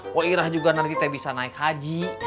wah irah juga nanti tak bisa naik haji